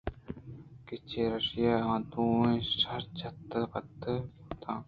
کہ چرایشی ءَ آ دوئیں شِیرچِت ءُ پتن بُوتاں